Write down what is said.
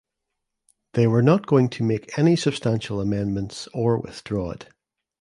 They were not going to make any substantial amendments or withdraw it.